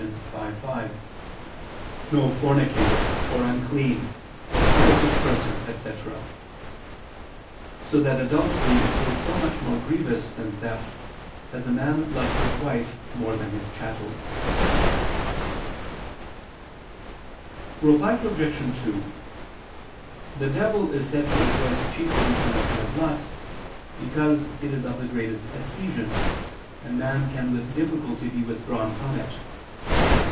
5:5. "No fornicator, or unclean, or covetous person," etc.; so that adultery is so much more grievous than theft, as a man loves his wife more than his chattels. Reply Obj. 2: The devil is said to rejoice chiefly in the sin of lust, because it is of the greatest adhesion, and man can with difficulty be withdrawn from it.